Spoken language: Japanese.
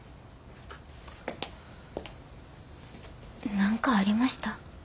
何かありました？